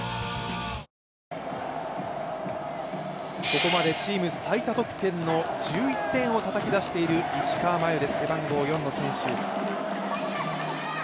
ここまでチーム最多得点の１１点をたたき出している石川真佑です、背番号４の選手。